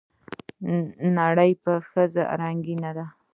نړۍ په ښځو رنګينه ده